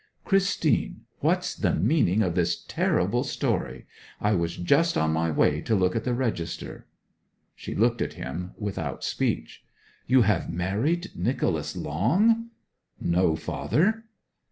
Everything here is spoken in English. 'Christine, what's the meaning of this terrible story? I was just on my way to look at the register.' She looked at him without speech. 'You have married Nicholas Long?' 'No, father.'